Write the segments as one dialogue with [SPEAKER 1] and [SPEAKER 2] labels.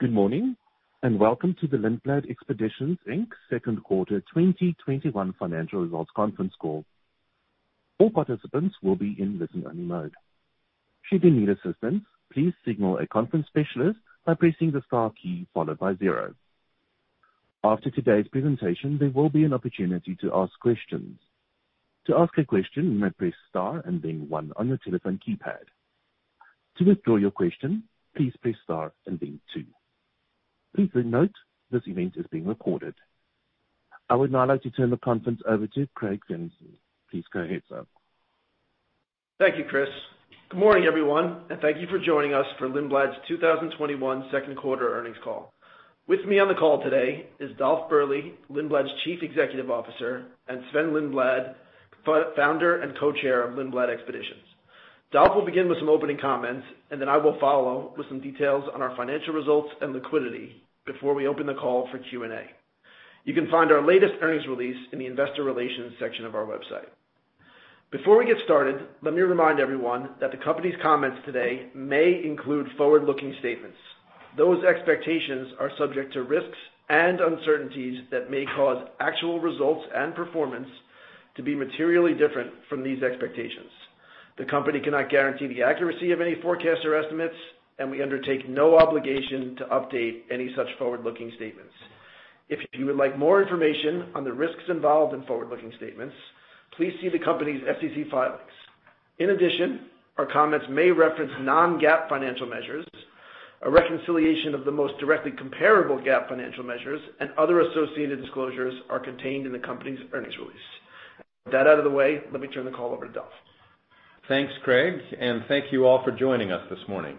[SPEAKER 1] Good morning, and welcome to the Lindblad Expeditions Inc. second quarter 2021 financial results conference call. All participants will be in listen-only mode. Should you need assistance, please signal a conference specialist by pressing the star key followed by zero. After today's presentation, there will be an opportunity to ask questions. To ask a question, you may press star and then one on your telephone keypad. To withdraw your question, please press star and then two. Please note this event is being recorded. I would now like to turn the conference over to Craig Felenstein. Please go ahead, sir.
[SPEAKER 2] Thank you, Chris. Good morning, everyone, and thank you for joining us for Lindblad's 2021 second quarter earnings call. With me on the call today is Dolf Berle, Lindblad's Chief Executive Officer, and Sven Lindblad, Founder and Co-Chair of Lindblad Expeditions. Dolf will begin with some opening comments, and then I will follow with some details on our financial results and liquidity before we open the call for Q&A. You can find our latest earnings release in the investor relations section of our website. Before we get started, let me remind everyone that the company's comments today may include forward-looking statements. Those expectations are subject to risks and uncertainties that may cause actual results and performance to be materially different from these expectations. The company cannot guarantee the accuracy of any forecasts or estimates, and we undertake no obligation to update any such forward-looking statements. If you would like more information on the risks involved in forward-looking statements, please see the company's SEC filings. In addition, our comments may reference non-GAAP financial measures. A reconciliation of the most directly comparable GAAP financial measures and other associated disclosures are contained in the company's earnings release. With that out of the way, let me turn the call over to Dolf.
[SPEAKER 3] Thanks, Craig, and thank you all for joining us this morning.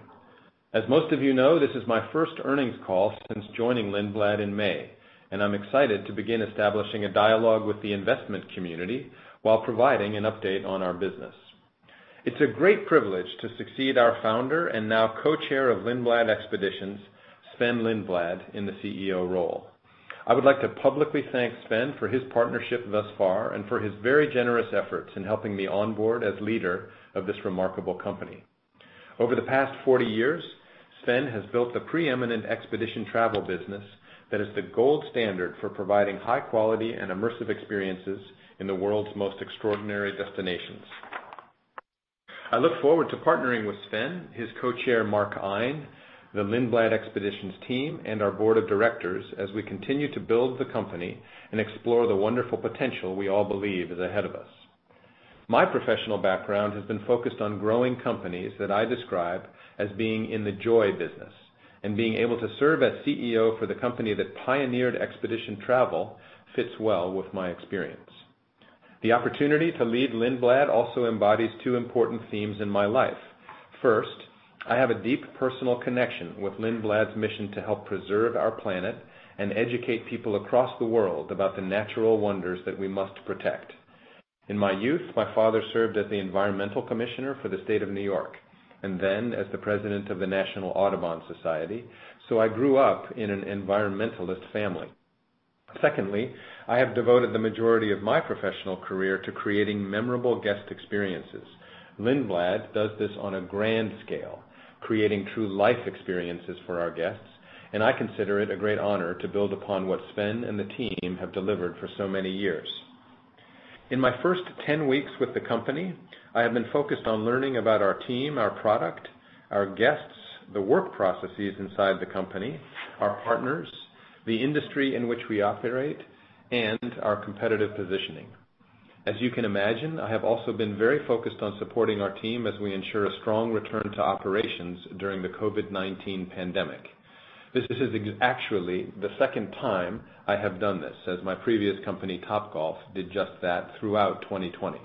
[SPEAKER 3] As most of you know, this is my first earnings call since joining Lindblad in May, and I'm excited to begin establishing a dialogue with the investment community while providing an update on our business. It's a great privilege to succeed our Founder and now Co-Chair of Lindblad Expeditions, Sven Lindblad, in the CEO role. I would like to publicly thank Sven for his partnership thus far and for his very generous efforts in helping me onboard as leader of this remarkable company. Over the past 40 years, Sven has built the preeminent expedition travel business that is the gold standard for providing high quality and immersive experiences in the world's most extraordinary destinations. I look forward to partnering with Sven, his co-chair, Mark Ein, the Lindblad Expeditions team, and our board of directors as we continue to build the company and explore the wonderful potential we all believe is ahead of us. My professional background has been focused on growing companies that I describe as being in the joy business and being able to serve as CEO for the company that pioneered expedition travel fits well with my experience. The opportunity to lead Lindblad also embodies two important themes in my life. First, I have a deep personal connection with Lindblad's mission to help preserve our planet and educate people across the world about the natural wonders that we must protect. In my youth, my father served as the environmental commissioner for the state of New York and then as the president of the National Audubon Society, so I grew up in an environmentalist family. Secondly, I have devoted the majority of my professional career to creating memorable guest experiences. Lindblad does this on a grand scale, creating true life experiences for our guests, and I consider it a great honor to build upon what Sven and the team have delivered for so many years. In my first 10 weeks with the company, I have been focused on learning about our team, our product, our guests, the work processes inside the company, our partners, the industry in which we operate, and our competitive positioning. As you can imagine, I have also been very focused on supporting our team as we ensure a strong return to operations during the COVID-19 pandemic. This is actually the second time I have done this, as my previous company, Topgolf, did just that throughout 2020.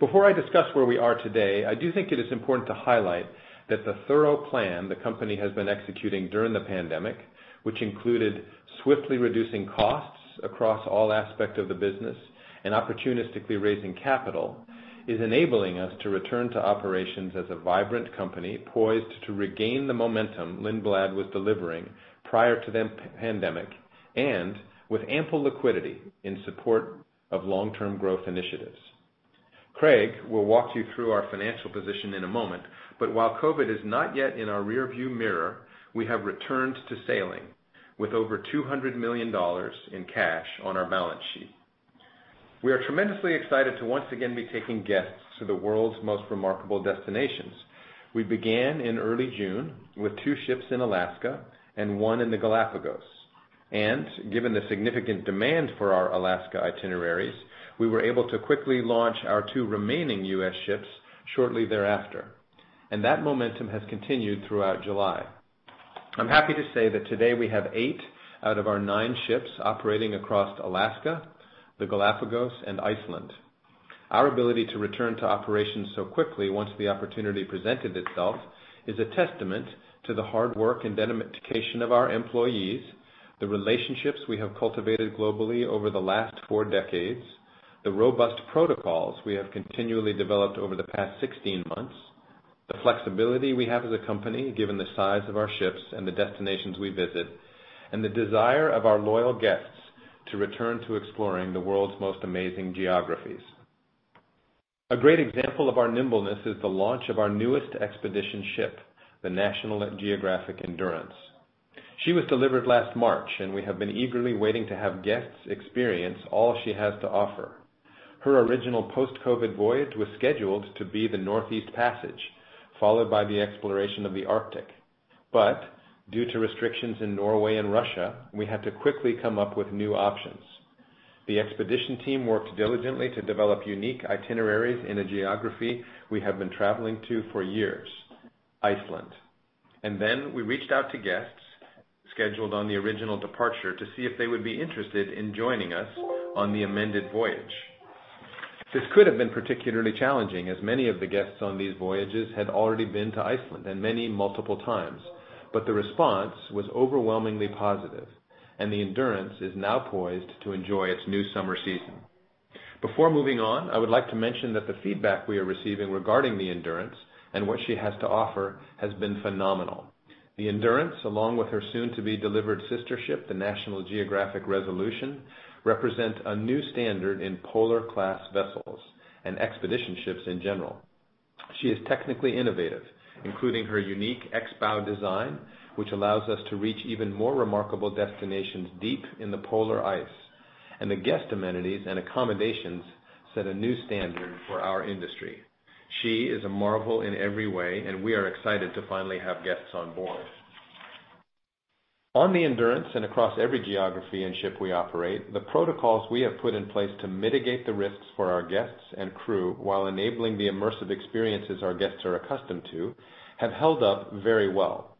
[SPEAKER 3] Before I discuss where we are today, I do think it is important to highlight that the thorough plan the company has been executing during the pandemic, which included swiftly reducing costs across all aspects of the business and opportunistically raising capital, is enabling us to return to operations as a vibrant company poised to regain the momentum Lindblad was delivering prior to the pandemic and with ample liquidity in support of long-term growth initiatives. Craig will walk you through our financial position in a moment, but while COVID is not yet in our rearview mirror, we have returned to sailing with over $200 million in cash on our balance sheet. We are tremendously excited to once again be taking guests to the world's most remarkable destinations. We began in early June with two ships in Alaska and one in the Galápagos, and given the significant demand for our Alaska itineraries, we were able to quickly launch our two remaining U.S. ships shortly thereafter, and that momentum has continued throughout July. I'm happy to say that today we have eight out of our nine ships operating across Alaska, the Galápagos, and Iceland. Our ability to return to operations so quickly once the opportunity presented itself is a testament to the hard work and dedication of our employees, the relationships we have cultivated globally over the last four decades, the robust protocols we have continually developed over the past 16 months, the flexibility we have as a company, given the size of our ships and the destinations we visit, and the desire of our loyal guests to return to exploring the world's most amazing geographies. A great example of our nimbleness is the launch of our newest expedition ship, the National Geographic Endurance. She was delivered last March, and we have been eagerly waiting to have guests experience all she has to offer. Her original post-COVID voyage was scheduled to be the Northeast Passage, followed by the exploration of the Arctic. Due to restrictions in Norway and Russia, we had to quickly come up with new options. The expedition team worked diligently to develop unique itineraries in a geography we have been traveling to for years, Iceland. We reached out to guests scheduled on the original departure to see if they would be interested in joining us on the amended voyage. This could have been particularly challenging, as many of the guests on these voyages had already been to Iceland and many multiple times, but the response was overwhelmingly positive, and the Endurance is now poised to enjoy its new summer season. Before moving on, I would like to mention that the feedback we are receiving regarding the Endurance and what she has to offer has been phenomenal. The Endurance, along with her soon-to-be-delivered sister ship, the National Geographic Resolution, represent a new standard in polar class vessels and expedition ships in general. She is technically innovative, including her unique X-bow design, which allows us to reach even more remarkable destinations deep in the polar ice, and the guest amenities and accommodations set a new standard for our industry. She is a marvel in every way, and we are excited to finally have guests on board. On the Endurance and across every geography and ship we operate, the protocols we have put in place to mitigate the risks for our guests and crew while enabling the immersive experiences our guests are accustomed to have held up very well.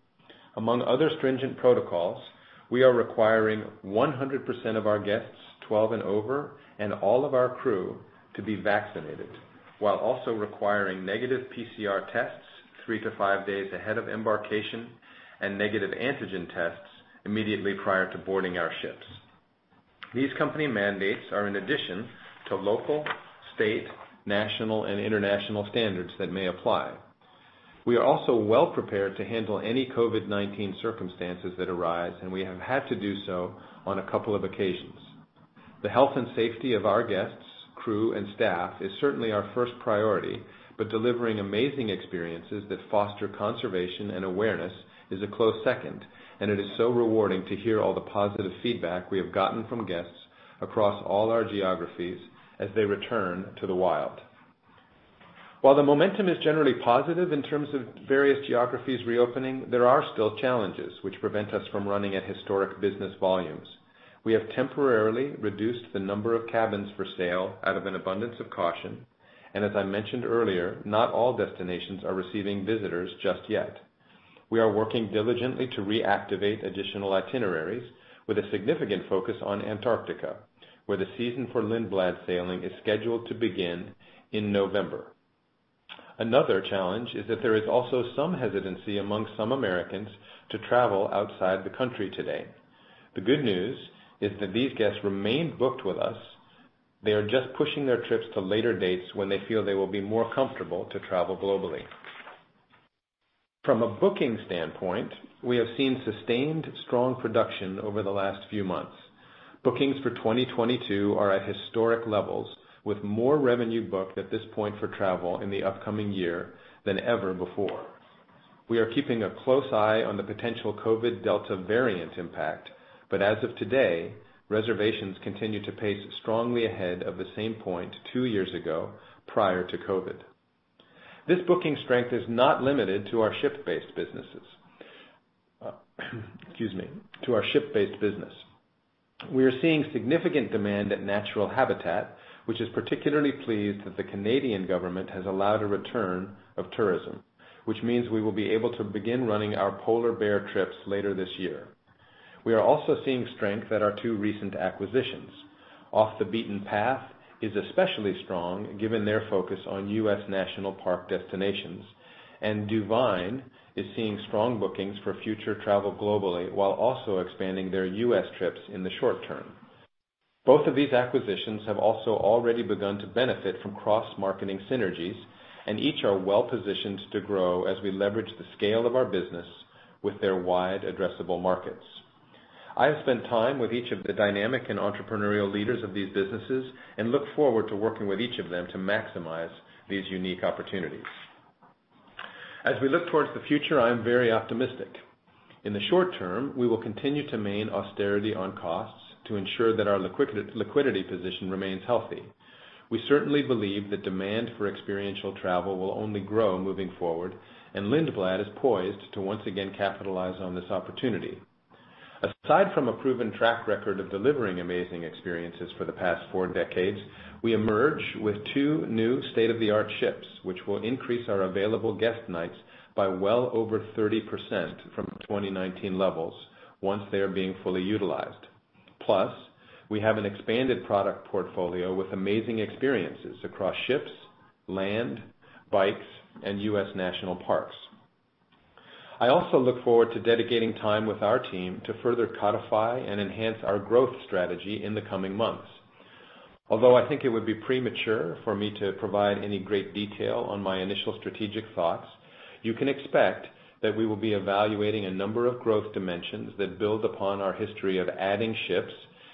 [SPEAKER 3] Among other stringent protocols, we are requiring 100% of our guests 12 and over and all of our crew to be vaccinated while also requiring negative PCR tests three-five days ahead of embarkation and negative antigen tests immediately prior to boarding our ships. These company mandates are in addition to local, state, national, and international standards that may apply. We are also well prepared to handle any COVID-19 circumstances that arise, and we have had to do so on a couple of occasions. The health and safety of our guests, crew, and staff is certainly our first priority, but delivering amazing experiences that foster conservation and awareness is a close second, and it is so rewarding to hear all the positive feedback we have gotten from guests across all our geographies as they return to the wild. The momentum is generally positive in terms of various geographies reopening, there are still challenges which prevent us from running at historic business volumes. We have temporarily reduced the number of cabins for sale out of an abundance of caution. As I mentioned earlier, not all destinations are receiving visitors just yet. We are working diligently to reactivate additional itineraries with a significant focus on Antarctica, where the season for Lindblad sailing is scheduled to begin in November. Another challenge is that there is also some hesitancy among some Americans to travel outside the country today. The good news is that these guests remain booked with us. They are just pushing their trips to later dates when they feel they will be more comfortable to travel globally. From a booking standpoint, we have seen sustained strong production over the last few months. Bookings for 2022 are at historic levels with more revenue booked at this point for travel in the upcoming year than ever before. We are keeping a close eye on the potential COVID Delta variant impact, but as of today, reservations continue to pace strongly ahead of the same point two years ago prior to COVID. This booking strength is not limited to our ship-based businesses. Excuse me, to our ship-based business. We are seeing significant demand at Natural Habitat, which is particularly pleased that the Canadian government has allowed a return of tourism, which means we will be able to begin running our polar bear trips later this year. We are also seeing strength at our two recent acquisitions. Off the Beaten Path is especially strong given their focus on U.S. National Park destinations. DuVine is seeing strong bookings for future travel globally while also expanding their U.S. trips in the short term. Both of these acquisitions have also already begun to benefit from cross-marketing synergies. Each are well positioned to grow as we leverage the scale of our business with their wide addressable markets. I have spent time with each of the dynamic and entrepreneurial leaders of these businesses and look forward to working with each of them to maximize these unique opportunities. As we look towards the future, I am very optimistic. In the short term, we will continue to main austerity on costs to ensure that our liquidity position remains healthy. We certainly believe that demand for experiential travel will only grow moving forward, and Lindblad is poised to once again capitalize on this opportunity. Aside from a proven track record of delivering amazing experiences for the past four decades, we emerge with two new state-of-the-art ships, which will increase our available guest nights by well over 30% from 2019 levels once they are being fully utilized. Plus, we have an expanded product portfolio with amazing experiences across ships, land, bikes, and U.S. National Parks. I also look forward to dedicating time with our team to further codify and enhance our growth strategy in the coming months. Although I think it would be premature for me to provide any great detail on my initial strategic thoughts. You can expect that we will be evaluating a number of growth dimensions that build upon our history of adding ships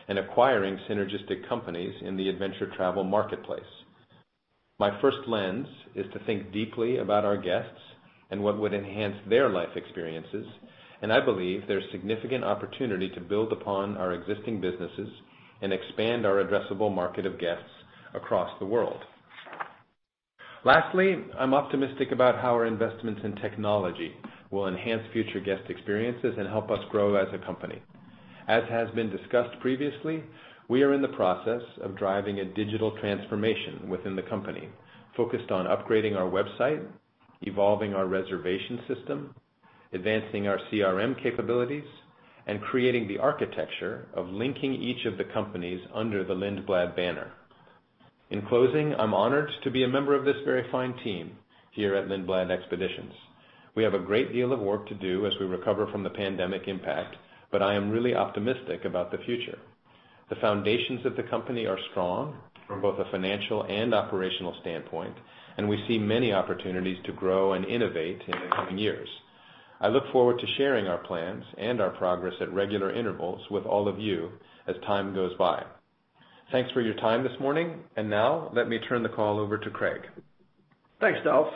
[SPEAKER 3] and acquiring synergistic companies in the adventure travel marketplace. My first lens is to think deeply about our guests and what would enhance their life experiences, and I believe there's significant opportunity to build upon our existing businesses and expand our addressable market of guests across the world. Lastly, I'm optimistic about how our investments in technology will enhance future guest experiences and help us grow as a company. As has been discussed previously, we are in the process of driving a digital transformation within the company, focused on upgrading our website, evolving our reservation system, advancing our CRM capabilities, and creating the architecture of linking each of the companies under the Lindblad banner. In closing, I'm honored to be a member of this very fine team here at Lindblad Expeditions. We have a great deal of work to do as we recover from the pandemic impact. I am really optimistic about the future. The foundations of the company are strong from both a financial and operational standpoint. We see many opportunities to grow and innovate in the coming years. I look forward to sharing our plans and our progress at regular intervals with all of you as time goes by. Thanks for your time this morning. Now let me turn the call over to Craig.
[SPEAKER 2] Thanks, Dolf.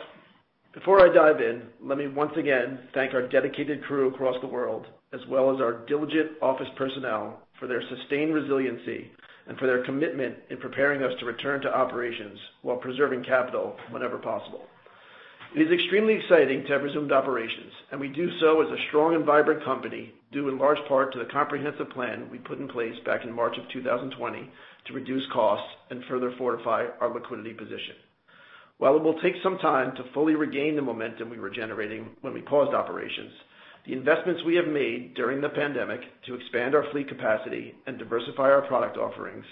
[SPEAKER 2] Before I dive in, let me once again thank our dedicated crew across the world, as well as our diligent office personnel, for their sustained resiliency and for their commitment in preparing us to return to operations while preserving capital whenever possible. It is extremely exciting to have resumed operations, and we do so as a strong and vibrant company, due in large part to the comprehensive plan we put in place back in March of 2020 to reduce costs and further fortify our liquidity position. While it will take some time to fully regain the momentum we were generating when we paused operations, the investments we have made during the pandemic to expand our fleet capacity and diversify our product offerings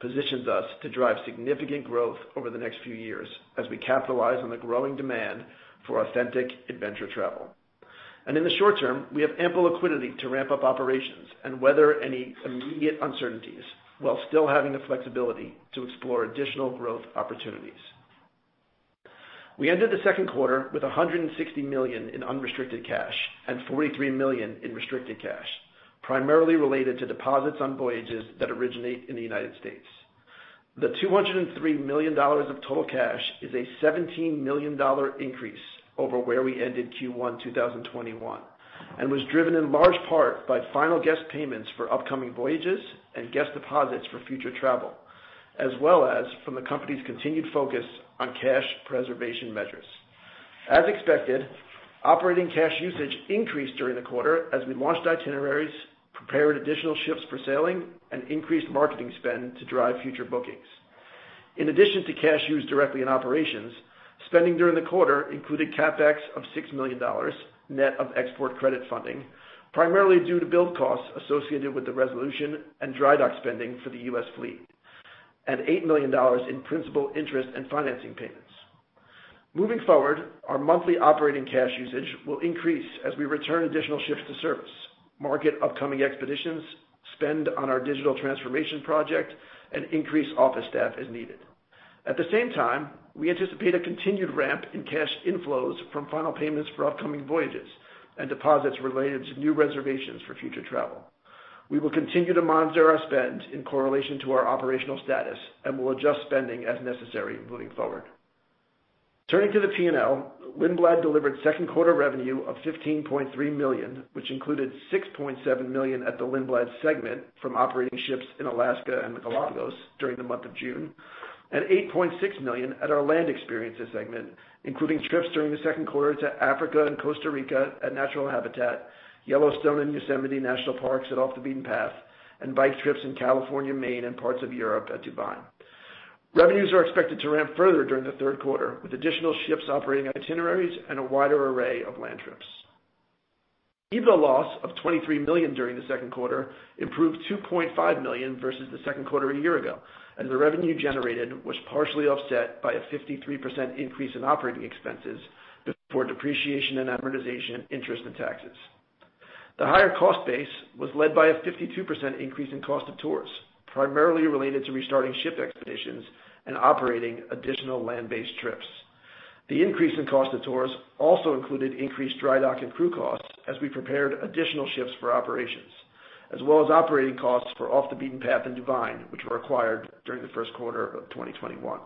[SPEAKER 2] positions us to drive significant growth over the next few years as we capitalize on the growing demand for authentic adventure travel. In the short term, we have ample liquidity to ramp up operations and weather any immediate uncertainties while still having the flexibility to explore additional growth opportunities. We ended the second quarter with $160 million in unrestricted cash and $43 million in restricted cash, primarily related to deposits on voyages that originate in the United States. The $203 million of total cash is a $17 million increase over where we ended Q1 2021, and was driven in large part by final guest payments for upcoming voyages and guest deposits for future travel, as well as from the company's continued focus on cash preservation measures. As expected, operating cash usage increased during the quarter as we launched itineraries, prepared additional ships for sailing, and increased marketing spend to drive future bookings. In addition to cash used directly in operations, spending during the quarter included CapEx of $6 million net of export credit funding, primarily due to build costs associated with the Resolution and dry dock spending for the U.S. fleet, and $8 million in principal interest and financing payments. Moving forward, our monthly operating cash usage will increase as we return additional ships to service, market upcoming expeditions, spend on our digital transformation project, and increase office staff as needed. At the same time, we anticipate a continued ramp in cash inflows from final payments for upcoming voyages and deposits related to new reservations for future travel. We will continue to monitor our spend in correlation to our operational status and will adjust spending as necessary moving forward. Turning to the P&L, Lindblad delivered second quarter revenue of $15.3 million, which included $6.7 million at the Lindblad segment from operating ships in Alaska and the Galápagos during the month of June, and $8.6 million at our Land Experiences segment, including trips during the second quarter to Africa and Costa Rica at Natural Habitat, Yellowstone and Yosemite National Parks at Off the Beaten Path, and bike trips in California, Maine, and parts of Europe at DuVine. Revenues are expected to ramp further during the third quarter, with additional ships operating itineraries and a wider array of land trips. EBITDA loss of $23 million during the second quarter improved $2.5 million versus the second quarter a year ago, as the revenue generated was partially offset by a 53% increase in operating expenses before depreciation and amortization, interest, and taxes. The higher cost base was led by a 52% increase in cost of tours, primarily related to restarting ship expeditions and operating additional land-based trips. The increase in cost of tours also included increased dry dock and crew costs as we prepared additional ships for operations, as well as operating costs for Off the Beaten Path and DuVine, which were acquired during the first quarter of 2021.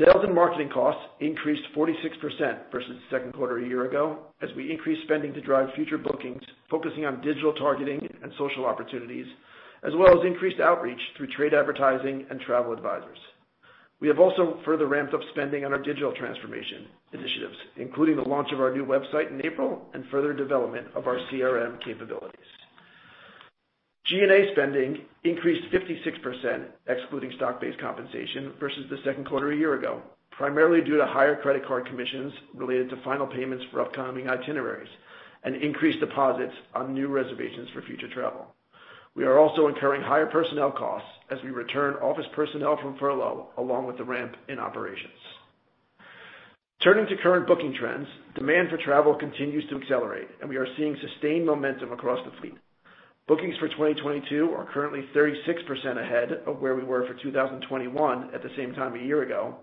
[SPEAKER 2] Sales and marketing costs increased 46% versus the second quarter a year ago as we increased spending to drive future bookings, focusing on digital targeting and social opportunities, as well as increased outreach through trade advertising and travel advisors. We have also further ramped up spending on our digital transformation initiatives, including the launch of our new website in April and further development of our CRM capabilities. G&A spending increased 56%, excluding stock-based compensation, versus the second quarter a year ago, primarily due to higher credit card commissions related to final payments for upcoming itineraries and increased deposits on new reservations for future travel. We are also incurring higher personnel costs as we return office personnel from furlough, along with the ramp in operations. Turning to current booking trends, demand for travel continues to accelerate, we are seeing sustained momentum across the fleet. Bookings for 2022 are currently 36% ahead of where we were for 2021 at the same time a year ago,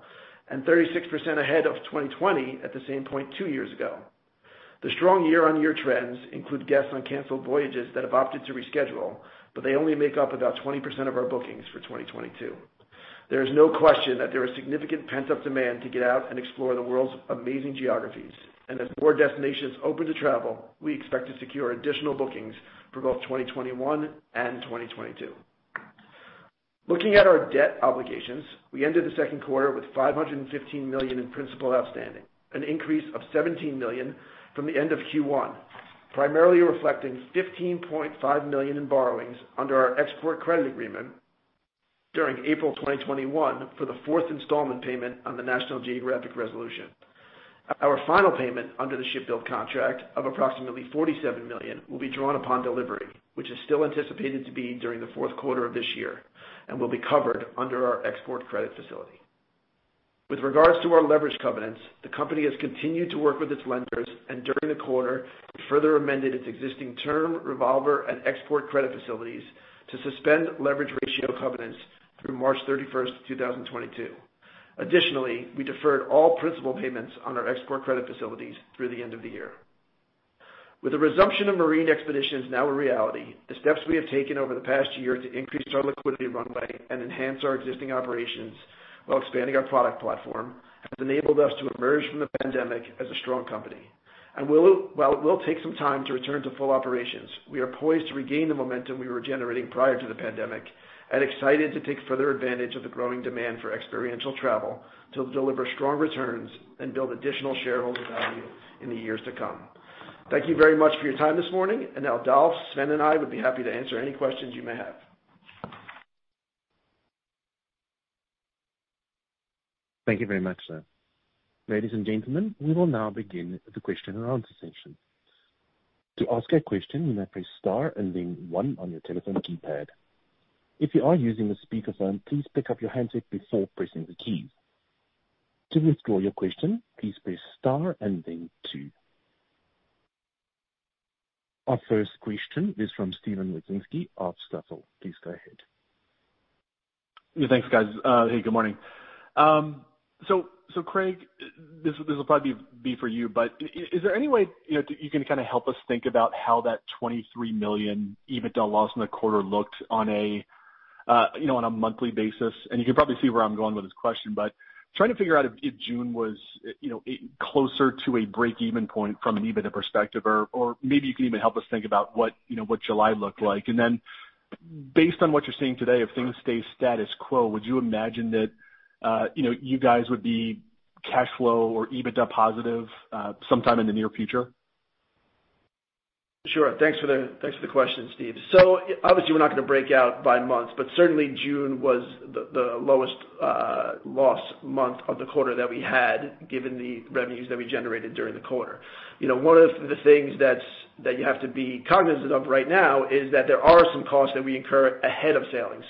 [SPEAKER 2] 36% ahead of 2020 at the same point two years ago. The strong year-on-year trends include guests on canceled voyages that have opted to reschedule, they only make up about 20% of our bookings for 2022. There is no question that there is significant pent-up demand to get out and explore the world's amazing geographies. As more destinations open to travel, we expect to secure additional bookings for both 2021 and 2022. Looking at our debt obligations, we ended the Q2 with $515 million in principal outstanding, an increase of $17 million from the end of Q1, primarily reflecting $15.5 million in borrowings under our export credit agreement during April 2021 for the fourth installment payment on the National Geographic Resolution. Our final payment under the ship build contract of approximately $47 million, will be drawn upon delivery, which is still anticipated to be during the fourth quarter of this year, and will be covered under our export credit facility. With regards to our leverage covenants, the company has continued to work with its lenders, and during the quarter, it further amended its existing term revolver and export credit facilities to suspend leverage ratio covenants through March 31st, 2022. Additionally, we deferred all principal payments on our export credit facilities through the end of the year. With the resumption of marine expeditions now a reality, the steps we have taken over the past year to increase our liquidity runway and enhance our existing operations while expanding our product platform, has enabled us to emerge from the pandemic as a strong company. While it will take some time to return to full operations, we are poised to regain the momentum we were generating prior to the pandemic, and excited to take further advantage of the growing demand for experiential travel to deliver strong returns and build additional shareholder value in the years to come. Thank you very much for your time this morning, and now Dolf, Sven, and I would be happy to answer any questions you may have.
[SPEAKER 1] Thank you very much, sir. Ladies and gentlemen, we will now begin the question and answer session. To ask a question, you may press star and then one on your telephone keypad. If you are using a speakerphone, please pick up your handset before pressing the keys. To withdraw your question, please press star and then two. Our first question is from Steve Wieczynski of Stifel. Please go ahead.
[SPEAKER 4] Thanks, guys. Hey, good morning. Craig, this will probably be for you, but is there any way you can help us think about how that $23 million EBITDA loss in the quarter looked on a monthly basis? You can probably see where I'm going with this question, but trying to figure out if June was closer to a break-even point from an EBITDA perspective, or maybe you can even help us think about what July looked like. Based on what you're seeing today, if things stay status quo, would you imagine that you guys would be cash flow or EBITDA positive sometime in the near future?
[SPEAKER 2] Sure. Thanks for the question, Steve. Obviously we're not going to break out by month, but certainly June was the lowest loss month of the quarter that we had, given the revenues that we generated during the quarter. One of the things that you have to be cognizant of right now is that there are some costs that we incur ahead of sailing.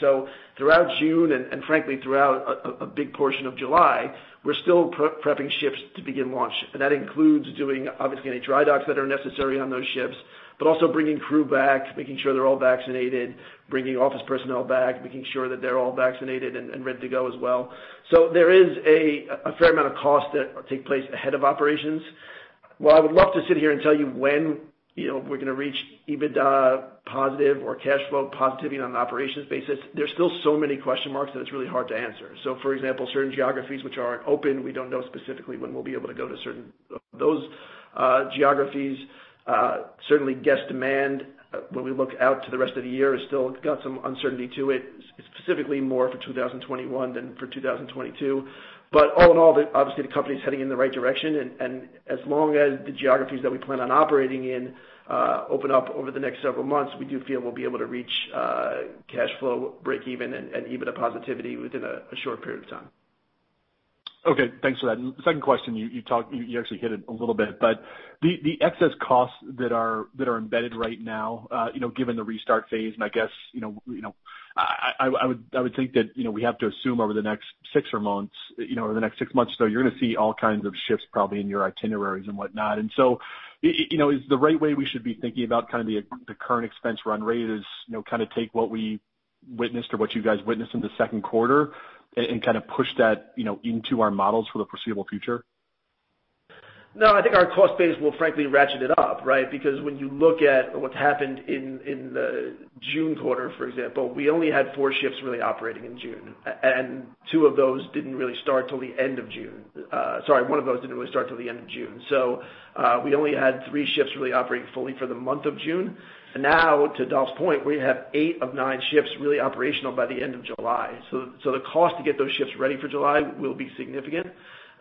[SPEAKER 2] Throughout June and frankly throughout a big portion of July, we're still prepping ships to begin launch. That includes doing, obviously, any dry docks that are necessary on those ships, but also bringing crew back, making sure they're all vaccinated, bringing office personnel back, making sure that they're all vaccinated and ready to go as well. There is a fair amount of cost that take place ahead of operations. While I would love to sit here and tell you when we're going to reach EBITDA positive or cash flow positivity on an operations basis, there's still so many question marks that it's really hard to answer. For example, certain geographies which aren't open, we don't know specifically when we'll be able to go to certain of those geographies. Certainly guest demand, when we look out to the rest of the year, has still got some uncertainty to it, specifically more for 2021 than for 2022. All in all, obviously the company's heading in the right direction, and as long as the geographies that we plan on operating in open up over the next several months, we do feel we'll be able to reach cash flow breakeven and EBITDA positivity within a short period of time.
[SPEAKER 4] Okay, thanks for that. The second question, you actually hit it a little bit, but the excess costs that are embedded right now, given the restart phase, and I guess, I would think that we have to assume over the next six months or so, you're going to see all kinds of shifts probably in your itineraries and whatnot. Is the right way we should be thinking about the current expense run rate is, kind of take what we witnessed or what you guys witnessed in the second quarter and push that into our models for the foreseeable future?
[SPEAKER 2] No, I think our cost base will frankly ratchet it up, right? When you look at what's happened in the June quarter, for example, we only had four ships really operating in June. Two of those didn't really start till the end of June. Sorry, one of those didn't really start till the end of June. We only had three ships really operating fully for the month of June. To Dolf's point, we have eight of nine ships really operational by the end of July. The cost to get those ships ready for July will be significant.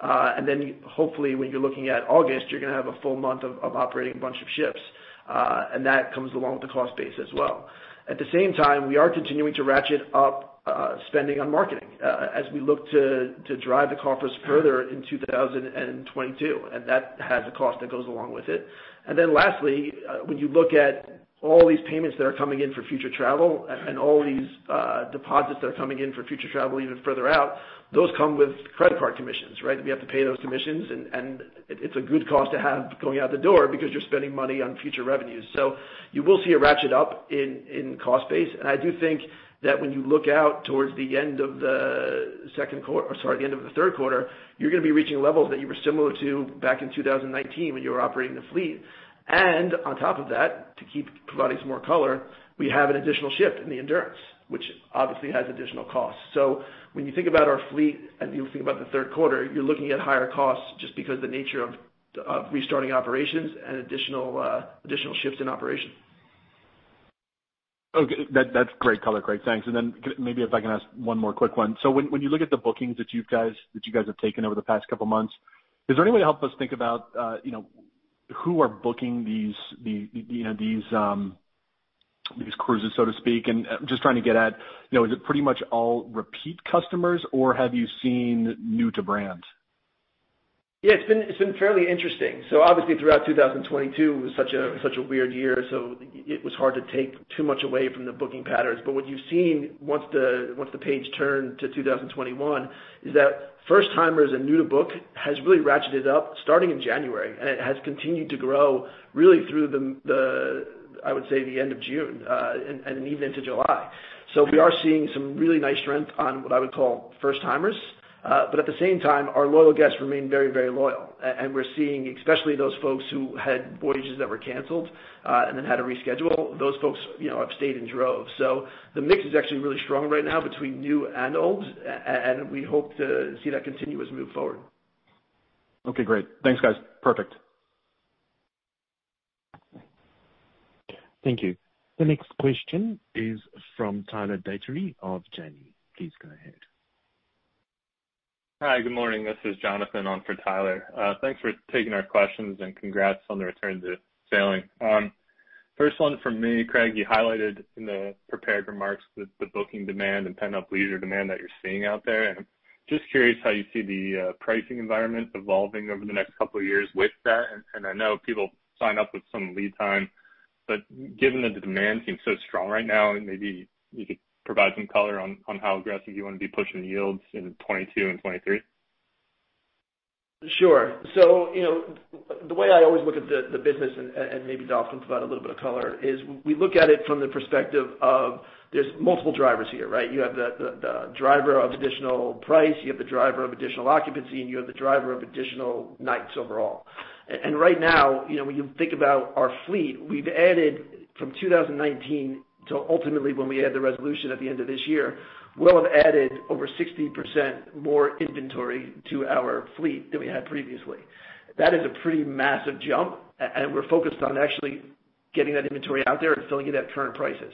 [SPEAKER 2] Hopefully when you're looking at August, you're going to have a full month of operating a bunch of ships. That comes along with the cost base as well. At the same time, we are continuing to ratchet up spending on marketing as we look to drive the coffers further in 2022, and that has a cost that goes along with it. Lastly, when you look at all these payments that are coming in for future travel and all these deposits that are coming in for future travel even further out, those come with credit card commissions, right? We have to pay those commissions, and it's a good cost to have going out the door because you're spending money on future revenues. You will see it ratchet up in cost base, and I do think that when you look out towards the end of the third quarter, you're going to be reaching levels that you were similar to back in 2019 when you were operating the fleet. On top of that, to keep providing some more color, we have an additional ship in the Endurance, which obviously has additional costs. When you think about our fleet and you think about the third quarter, you're looking at higher costs just because the nature of restarting operations and additional shifts in operation.
[SPEAKER 4] Okay. That's great color, Craig. Thanks. Maybe if I can ask one more quick one. When you look at the bookings that you guys have taken over the past couple of months, is there any way to help us think about who are booking these cruises, so to speak? I'm just trying to get at, is it pretty much all repeat customers or have you seen new to brand?
[SPEAKER 2] Yeah, it's been fairly interesting. Obviously throughout 2022, it was such a weird year, so it was hard to take too much away from the booking patterns. What you've seen once the page turned to 2021 is that first-timers and new to book has really ratcheted up starting in January, and it has continued to grow really through, I would say, the end of June, and even into July. We are seeing some really nice strength on what I would call first-timers. At the same time, our loyal guests remain very loyal. We're seeing especially those folks who had voyages that were canceled, and then had to reschedule, those folks have stayed in droves. The mix is actually really strong right now between new and old, and we hope to see that continue as we move forward.
[SPEAKER 4] Okay, great. Thanks guys. Perfect.
[SPEAKER 1] Thank you. The next question is from Tyler Batory of Janney. Please go ahead.
[SPEAKER 5] Hi, good morning. This is Jonathan on for Tyler. Thanks for taking our questions and congrats on the return to sailing. First one from me, Craig, you highlighted in the prepared remarks the booking demand and pent-up leisure demand that you're seeing out there, and I'm just curious how you see the pricing environment evolving over the next couple of years with that. I know people sign up with some lead time, but given that the demand seems so strong right now, maybe you could provide some color on how aggressive you want to be pushing yields in 2022 and 2023.
[SPEAKER 2] Sure. The way I always look at the business, and maybe Dolf can provide a little bit of color, is we look at it from the perspective of there's multiple drivers here, right? You have the driver of additional price, you have the driver of additional occupancy, and you have the driver of additional nights overall. Right now, when you think about our fleet, we've added from 2019 to ultimately when we add the Resolution at the end of this year, we'll have added over 60% more inventory to our fleet than we had previously. That is a pretty massive jump, and we're focused on actually getting that inventory out there and filling it at current prices.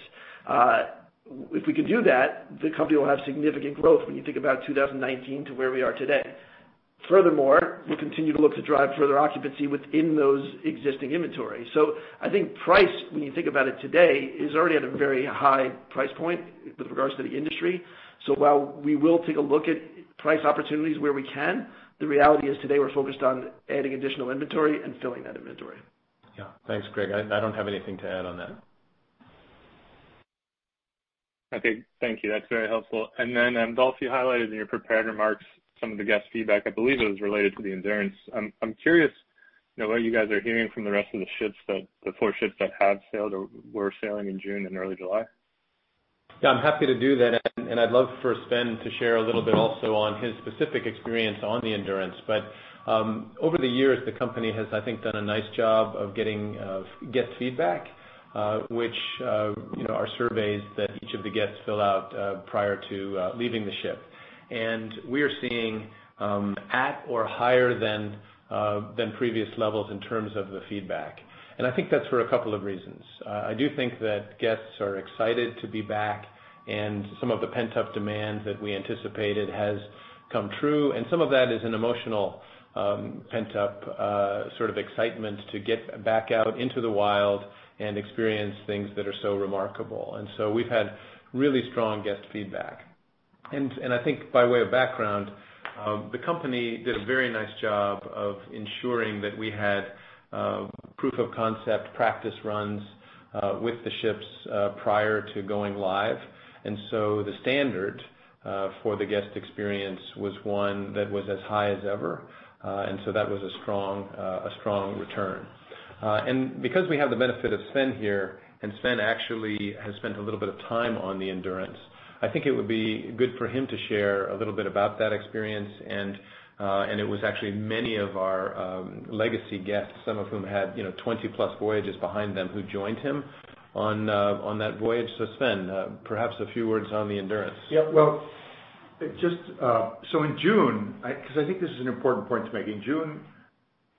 [SPEAKER 2] If we can do that, the company will have significant growth when you think about 2019 to where we are today. Furthermore, we'll continue to look to drive further occupancy within those existing inventories. I think price, when you think about it today, is already at a very high price point with regards to the industry. While we will take a look at price opportunities where we can, the reality is today we're focused on adding additional inventory and filling that inventory.
[SPEAKER 3] Yeah. Thanks, Craig. I don't have anything to add on that.
[SPEAKER 5] Okay. Thank you. That's very helpful. Then, Dolf, you highlighted in your prepared remarks some of the guest feedback, I believe it was related to the Endurance. I'm curious what you guys are hearing from the rest of the four ships that have sailed or were sailing in June and early July?
[SPEAKER 3] Yeah, I'm happy to do that, and I'd love for Sven to share a little bit also on his specific experience on the Endurance. Over the years, the company has, I think, done a nice job of getting guest feedback, which are surveys that each of the guests fill out prior to leaving the ship. We are seeing at or higher than previous levels in terms of the feedback. I think that's for a couple of reasons. I do think that guests are excited to be back, and some of the pent-up demand that we anticipated has come true, and some of that is an emotional pent-up sort of excitement to get back out into the wild and experience things that are so remarkable. So we've had really strong guest feedback. I think by way of background, the company did a very nice job of ensuring that we had proof of concept practice runs with the ships prior to going live. The standard for the guest experience was one that was as high as ever. That was a strong return. Because we have the benefit of Sven here, and Sven actually has spent a little bit of time on the Endurance, I think it would be good for him to share a little bit about that experience. It was actually many of our legacy guests, some of whom had 20-plus voyages behind them who joined him on that voyage. Sven, perhaps a few words on the Endurance.
[SPEAKER 6] In June, because I think this is an important point to make. In June,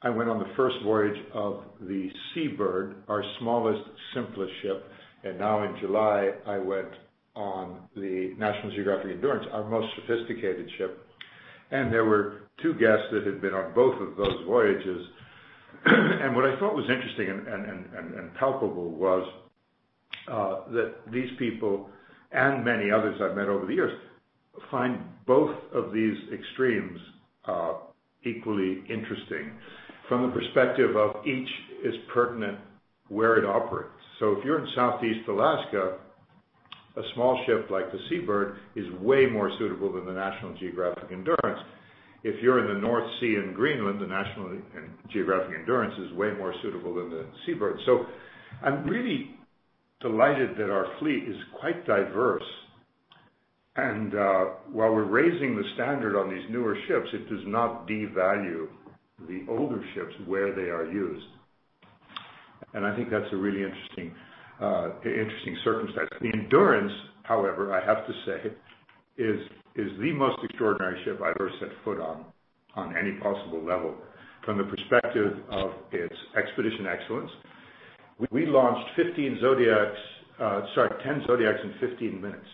[SPEAKER 6] I went on the first voyage of the Seabird, our smallest, simplest ship, and now in July, I went on the National Geographic Endurance, our most sophisticated ship, and there were two guests that had been on both of those voyages. What I thought was interesting and palpable was that these people and many others I've met over the years find both of these extremes equally interesting from the perspective of each is pertinent where it operates. If you're in Southeast Alaska, a small ship like the Sea Bird is way more suitable than the National Geographic Endurance. If you're in the North Sea in Greenland, the National Geographic Endurance is way more suitable than the Seabird. I'm really delighted that our fleet is quite diverse. While we're raising the standard on these newer ships, it does not devalue the older ships where they are used. I think that's a really interesting circumstance. The Endurance, however, I have to say, is the most extraordinary ship I've ever set foot on any possible level, from the perspective of its expedition excellence. We launched 10 Zodiacs in 15 minutes.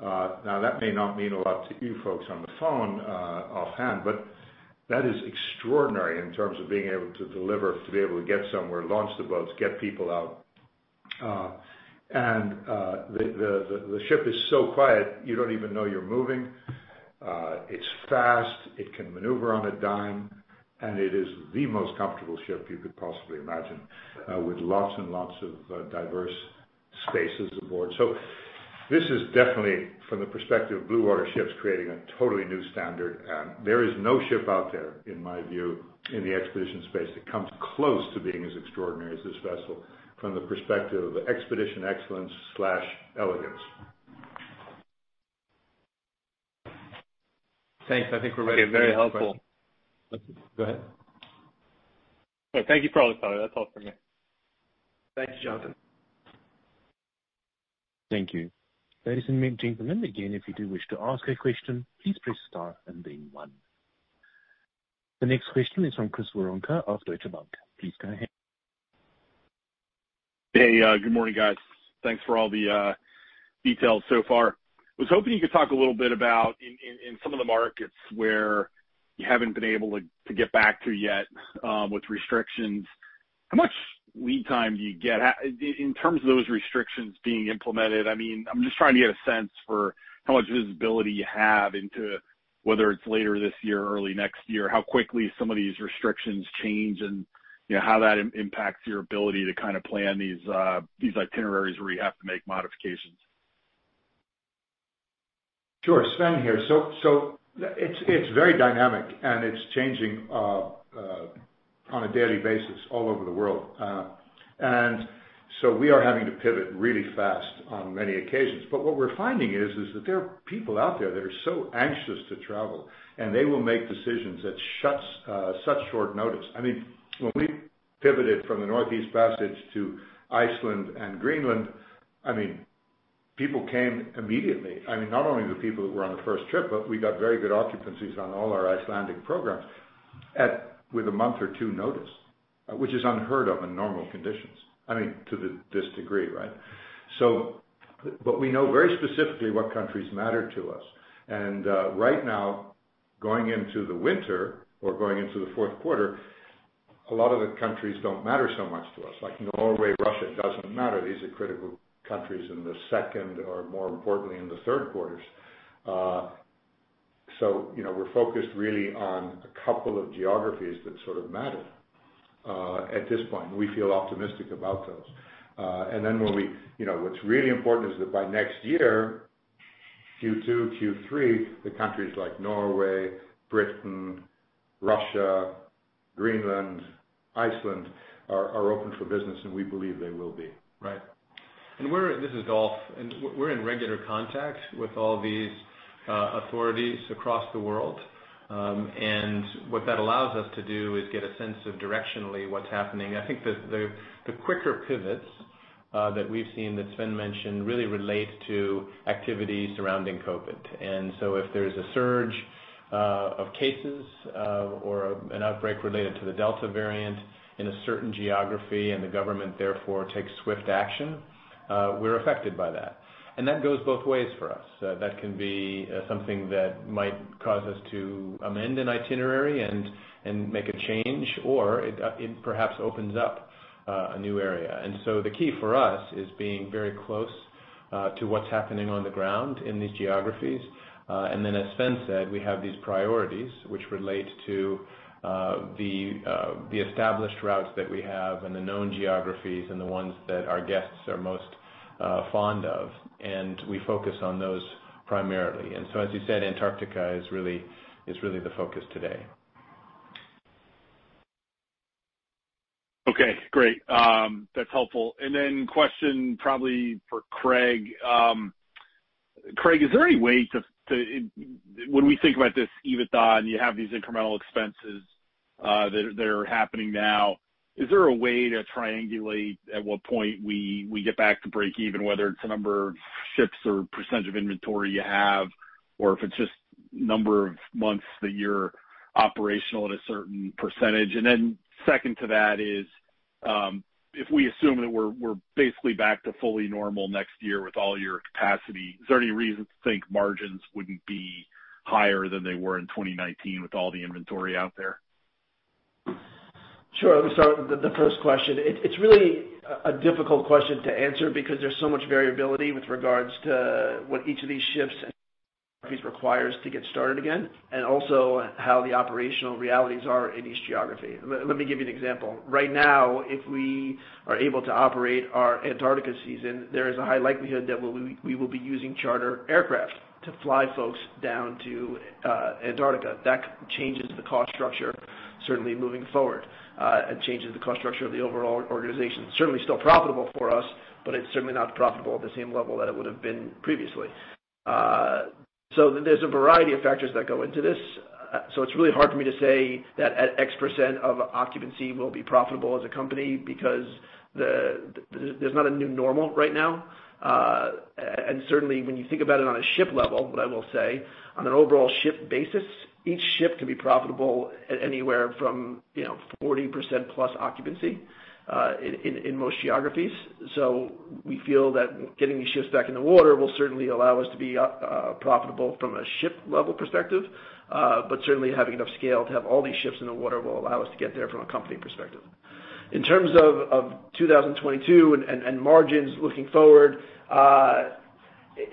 [SPEAKER 6] That may not mean a lot to you folks on the phone offhand, that is extraordinary in terms of being able to deliver, to be able to get somewhere, launch the boats, get people out. The ship is so quiet, you don't even know you're moving. It's fast. It can maneuver on a dime, it is the most comfortable ship you could possibly imagine, with lots and lots of diverse spaces aboard. This is definitely, from the perspective of blue ater ships, creating a totally new standard. There is no ship out there, in my view, in the expedition space that comes close to being as extraordinary as this vessel from the perspective of expedition excellence/elegance.
[SPEAKER 5] Thanks i think that's very helpful.
[SPEAKER 6] Okay. Go ahead.
[SPEAKER 5] No, thank you for all the color. That's all for me.
[SPEAKER 6] Thanks, Jonathan.
[SPEAKER 1] Thank you. Ladies and gentlemen, again, if you do wish to ask a question, please press star and then one. The next question is from Chris Woronka of Deutsche Bank. Please go ahead.
[SPEAKER 7] Hey, good morning, guys. Thanks for all the details so far. I was hoping you could talk a little bit about in some of the markets where you haven't been able to get back to yet with restrictions, how much lead time do you get? In terms of those restrictions being implemented, I'm just trying to get a sense for how much visibility you have into whether it's later this year or early next year, how quickly some of these restrictions change and how that impacts your ability to plan these itineraries where you have to make modifications.
[SPEAKER 6] Sure. Sven here. It's very dynamic, and it's changing on a daily basis all over the world. We are having to pivot really fast on many occasions. What we're finding is that there are people out there that are so anxious to travel, and they will make decisions at such short notice. When we pivoted from the Northeast Passage to Iceland and Greenland, people came immediately. Not only the people that were on the first trip, but we got very good occupancies on all our Icelandic programs with a month or two notice, which is unheard of in normal conditions. I mean, to this degree, right? We know very specifically what countries matter to us. Right now, going into the winter or going into the fourth quarter, a lot of the countries don't matter so much to us. Like Norway, Russia doesn't matter. These are critical countries in the second or more importantly, in the third quarters. We're focused really on a couple of geographies that sort of matter at this point, and we feel optimistic about those. What's really important is that by next year, Q2, Q3, the countries like Norway, Britain, Russia, Greenland, Iceland are open for business, and we believe they will be.
[SPEAKER 3] Right. This is Dolf. We're in regular contact with all these authorities across the world. What that allows us to do is get a sense of directionally what's happening. I think the quicker pivots that we've seen that Sven mentioned really relate to activities surrounding COVID-19. If there's a surge of cases or an outbreak related to the Delta variant in a certain geography and the government therefore takes swift action, we're affected by that. That goes both ways for us. That can be something that might cause us to amend an itinerary and make a change, or it perhaps opens up a new area. The key for us is being very close to what's happening on the ground in these geographies. As Sven said, we have these priorities which relate to the established routes that we have and the known geographies and the ones that our guests are most fond of, and we focus on those primarily. As you said, Antarctica is really the focus today.
[SPEAKER 7] Okay, great. That's helpful. Question probably for Craig. Craig, is there any way to, when we think about this EBITDA, and you have these incremental expenses that are happening now, is there a way to triangulate at what point we get back to breakeven, whether it's the number of ships or percentage of inventory you have, or if it's just number of months that you're operational at a certain percentage? Second to that is, if we assume that we're basically back to fully normal next year with all your capacity, is there any reason to think margins wouldn't be higher than they were in 2019 with all the inventory out there?
[SPEAKER 2] Sure. Let me start with the first question. It's really a difficult question to answer because there's so much variability with regards to what each of these ships requires to get started again, and also how the operational realities are in each geography. Let me give you an example. Right now, if we are able to operate our Antarctica season, there is a high likelihood that we will be using charter aircraft to fly folks down to Antarctica. That changes the cost structure, certainly moving forward. It changes the cost structure of the overall organization. Certainly still profitable for us, but it's certainly not profitable at the same level that it would have been previously. There's a variety of factors that go into this. It's really hard for me to say that at X% of occupancy, we'll be profitable as a company because there's not a new normal right now. Certainly, when you think about it on a ship level, what I will say, on an overall ship basis, each ship can be profitable at anywhere from 40%+ occupancy in most geographies. Certainly having enough scale to have all these ships in the water will allow us to get there from a company perspective. In terms of 2022 and margins looking forward,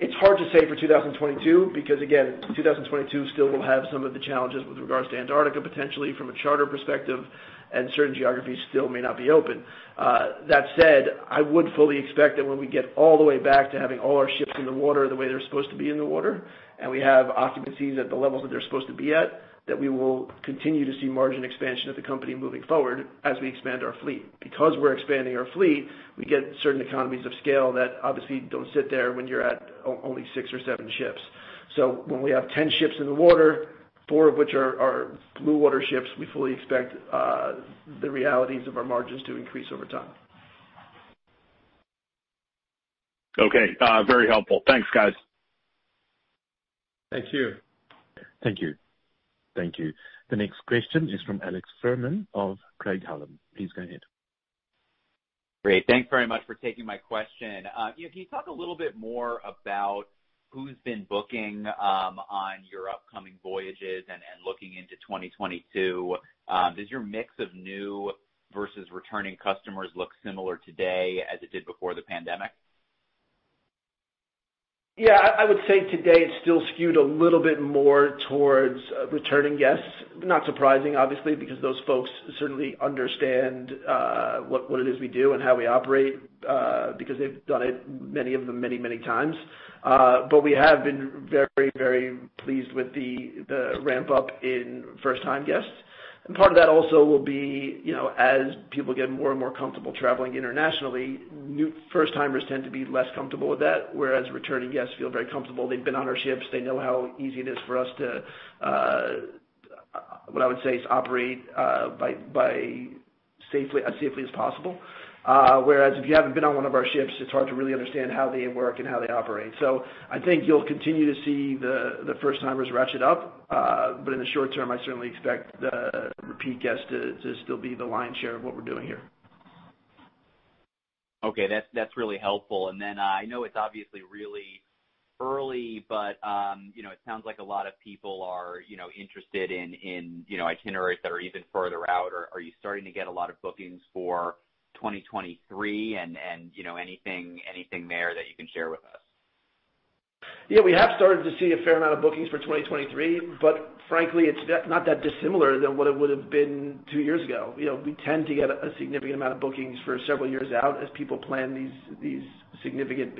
[SPEAKER 2] it's hard to say for 2022 because, again, 2022 still will have some of the challenges with regards to Antarctica, potentially from a charter perspective, and certain geographies still may not be open. That said, I would fully expect that when we get all the way back to having all our ships in the water the way they're supposed to be in the water, and we have occupancies at the levels that they're supposed to be at, that we will continue to see margin expansion of the company moving forward as we expand our fleet. Because we're expanding our fleet, we get certain economies of scale that obviously don't sit there when you're at only six or seven ships. So when we have 10 ships in the water, four of which are Blue Water ships, we fully expect the realities of our margins to increase over time.
[SPEAKER 7] Okay. Very helpful. Thanks, guys.
[SPEAKER 2] Thank you.
[SPEAKER 1] Thank you. Thank you. The next question is from Alex Fuhrman of Craig-Hallum. Please go ahead.
[SPEAKER 8] Great. Thanks very much for taking my question. Can you talk a little bit more about who's been booking on your upcoming voyages and looking into 2022? Does your mix of new versus returning customers look similar today as it did before the pandemic?
[SPEAKER 2] Yeah. I would say today it's still skewed a little bit more towards returning guests. Not surprising, obviously, because those folks certainly understand what it is we do and how we operate, because they've done it, many of them many, many times. We have been very pleased with the ramp-up in first-time guests. Part of that also will be as people get more and more comfortable traveling internationally, first-timers tend to be less comfortable with that, whereas returning guests feel very comfortable. They've been on our ships. They know how easy it is for us to, what I would say, is operate as safely as possible. Whereas if you haven't been on one of our ships, it's hard to really understand how they work and how they operate. I think you'll continue to see the first-timers ratchet up. In the short term, I certainly expect the repeat guests to still be the lion's share of what we're doing here.
[SPEAKER 8] Okay. That's really helpful. I know it's obviously really early, but it sounds like a lot of people are interested in itineraries that are even further out. Are you starting to get a lot of bookings for 2023 and anything there that you can share with us?
[SPEAKER 2] Yeah, we have started to see a fair amount of bookings for 2023, but frankly, it's not that dissimilar than what it would've been two years ago. We tend to get a significant amount of bookings for several years out as people plan these significant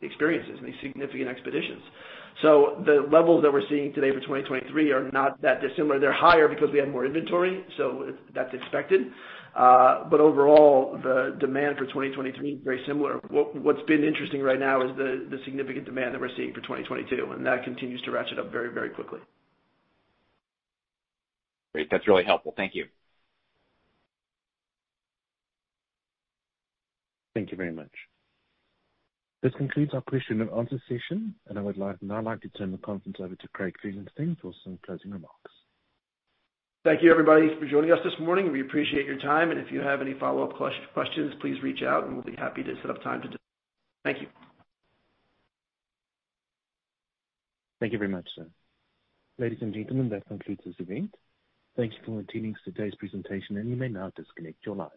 [SPEAKER 2] experiences and these significant expeditions. The levels that we're seeing today for 2023 are not that dissimilar. They're higher because we have more inventory, so that's expected. Overall, the demand for 2023 is very similar. What's been interesting right now is the significant demand that we're seeing for 2022, and that continues to ratchet up very quickly.
[SPEAKER 8] Great. That's really helpful. Thank you.
[SPEAKER 1] Thank you very much. This concludes our question and answer session, and I would now like to turn the conference over to Craig Felenstein for some closing remarks.
[SPEAKER 2] Thank you everybody for joining us this morning. We appreciate your time, and if you have any follow-up questions, please reach out and we'll be happy to set up time to discuss. Thank you.
[SPEAKER 1] Thank you very much, sir. Ladies and gentlemen, that concludes this event. Thank you for attending today's presentation, and you may now disconnect your lines.